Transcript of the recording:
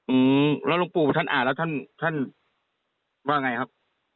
อืมแล้วหลวงปู่ท่านอ่านแล้วท่านท่านว่าไงครับ